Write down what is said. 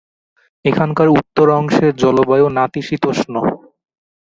এখানকার উত্তর অংশের জলবায়ু নাতিশীতোষ্ণ।